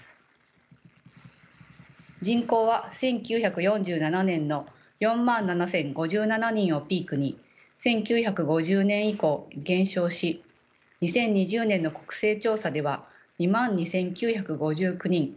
人口は１９４７年の４万７，０５７人をピークに１９５０年以降減少し２０２０年の国勢調査では２万２，９５９人。